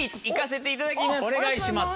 お願いします。